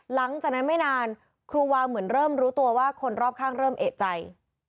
หลังจากนั้นไม่นานครูวาเหมือนเริ่มรู้ตัวว่าคนรอบข้างเริ่มเอกใจ